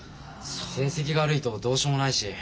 成績が悪いとどうしようもないし。